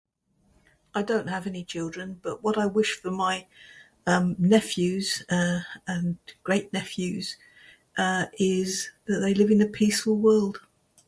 I don't have any children, but what I wish for my, um, nephews, uh, and great nephews, uh, is that they live in a peaceful world.